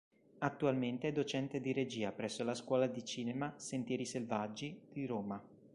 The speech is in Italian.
Attualmente è docente di Regia presso la Scuola di Cinema "Sentieri Selvaggi" di Roma.